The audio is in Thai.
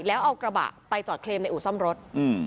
แล้วเอากระบะไปจอดเคลมในอู่ซ่อมรถ